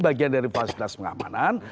bagian dari fasilitas pengamanan